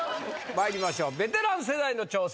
まいりましょうベテラン世代の挑戦